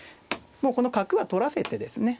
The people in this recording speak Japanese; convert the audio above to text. もうこの角は取らせてですね